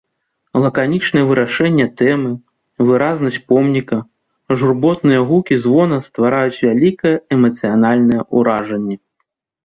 Лаканічнае вырашэнне тэмы, выразнасць помніка, журботныя гукі звона ствараюць вялікае эмацыянальнае ўражанне.